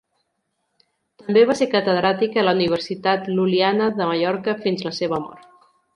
També va ser catedràtic a la Universitat Lul·liana de Mallorca fins a la seva mort.